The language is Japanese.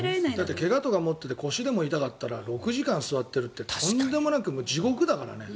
怪我とか持っていて腰とか痛かったら６時間座っているってとんでもなく地獄だからね。